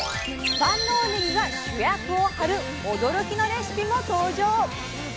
万能ねぎが主役を張る驚きのレシピも登場！